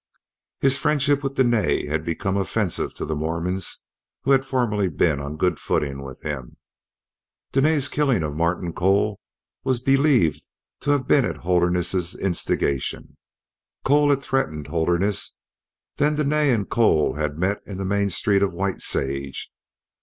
His friendship with Dene had become offensive to the Mormons, who had formerly been on good footing with him. Dene's killing of Martin Cole was believed to have been at Holderness's instigation. Cole had threatened Holderness. Then Dene and Cole had met in the main street of White Sage.